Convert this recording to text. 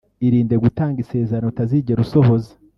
Irinde gutanga isezerano utazigera usohoza